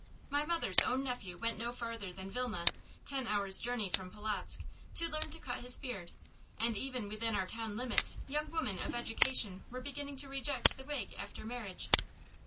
My mother's own nephew went no farther than Vilna, ten hours' journey from Polotzk, to learn to cut his beard; and even within our town limits young women of education were beginning to reject the wig after marriage.